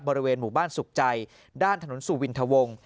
บริเวณหมู่บ้านสุขใจด้านถนนสุวินทวง